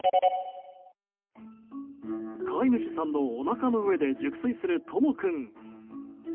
飼い主さんのおなかの上で熟睡するトモ君。